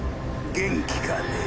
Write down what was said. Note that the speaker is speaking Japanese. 元気かね？